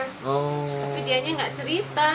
tapi dianya nggak cerita